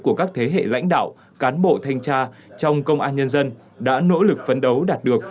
của các thế hệ lãnh đạo cán bộ thanh tra trong công an nhân dân đã nỗ lực phấn đấu đạt được